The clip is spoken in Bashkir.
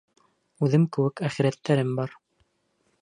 Үҙем кеүек әхирәттәрем бар.